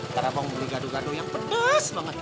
karena bang mau beli gaduh gaduh yang pedas banget